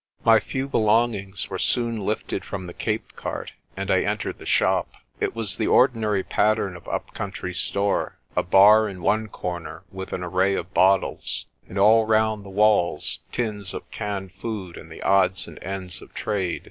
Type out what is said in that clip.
My few belongings were soon lifted from the Cape cart, and I entered the shop. It was the ordinary pattern of up country store a bar in one corner with an array of bottles, and all round the walls tins of canned food and the odds and ends of trade.